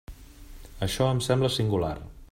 Això em sembla singular.